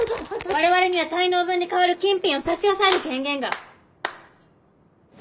我々には滞納分に代わる金品を差し押さえる権限が。